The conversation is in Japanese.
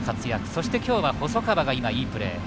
そして、今日は細川がいいプレー。